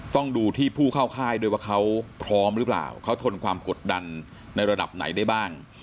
ต้องดูที่ผู้เข้าค่ายด้วยว่าเขาพร้อมหรือเปล่าเขาทนความกดดันในระดับไหนได้บ้าง